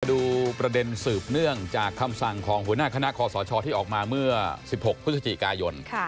ดูประเด็นสืบเนื่องจากคำสั่งของหัวหน้าคณะคอสชที่ออกมาเมื่อ๑๖พฤศจิกายน